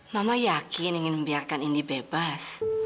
mama yakin ingin membiarkan ini bebas